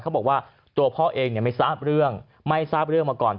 เขาบอกว่าตัวพ่อเองไม่ทราบเรื่องไม่ทราบเรื่องมาก่อน